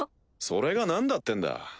それが何だってんだ。